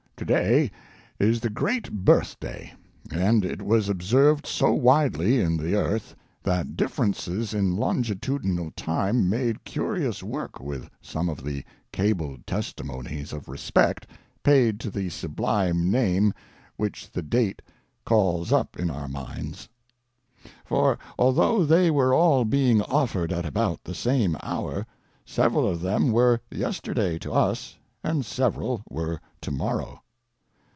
To day is the great Birth Day; and it was ob served so widely in the earth that differences in longitudinal time made curious work with some of the cabled testimonies of respect paid to the sublime name which the date calls up in our minds; for, although they were all being offered at about the same hour, several of them were yesterday to us and several were to morrow.